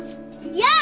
やあ！